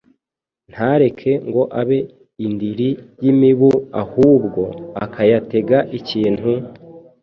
ntareke ngo abe indiri y’imibu ahubwo akayatega ikintu,